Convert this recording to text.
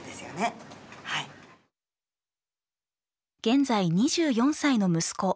現在２４歳の息子